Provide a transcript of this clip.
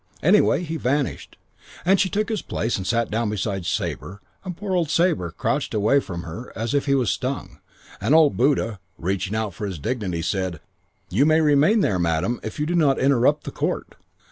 Anyway, he vanished. And she took his place and sat down beside Sabre and poor old Sabre crouched away from her as if he was stung, and old Buddha, reaching out for his dignity, said, 'You may remain there, madam, if you do not interrupt the court.'